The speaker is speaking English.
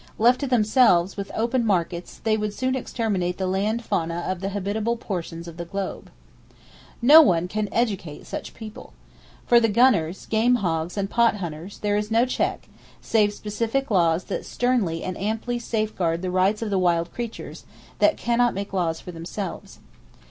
Left to themselves, with open markets they would soon exterminate the land fauna of the habitable portions of the globe. No one can "educate" such people. For the gunners, game hogs and pot hunters, there is no check, save specific laws that sternly and amply safeguard the rights of the wild creatures that can not make laws for themselves.